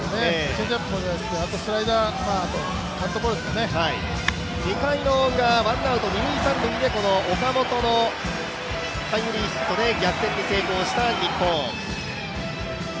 チェンジアップも、あとスライダー２回のウラ、ワンアウト、二・三塁で岡本のタイムリーヒットで逆転に成功した日本。